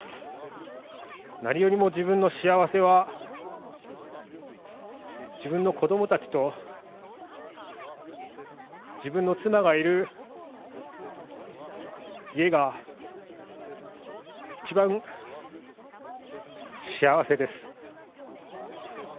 何よりも自分の幸せは、自分の子どもたちと自分の妻がいる家が、一番幸せです。